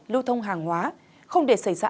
lưu thông hàng hóa không để xảy ra